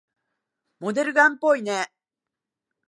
モデルガンっぽいね。